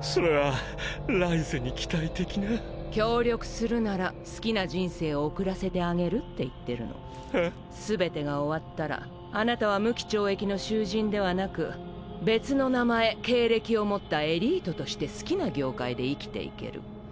それは来世に期待的な？協力するなら好きな人生を送らせてあげるって言ってるの。へ⁉全てが終わったら貴方は無期懲役の囚人ではなく別の名前・経歴を持ったエリートとして好きな業界で生きていける。